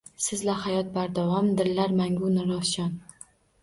Sizla hayot bardavom, dillar mangu nurafshon